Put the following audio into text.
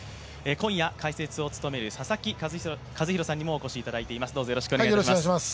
今夜解説を務める佐々木主浩さんにもお越しいただいています。